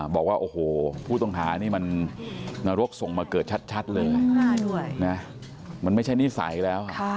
บอกว่าโอ้โหผู้ต้องหานี่มันนรกส่งมาเกิดชัดเลยนะมันไม่ใช่นิสัยแล้ว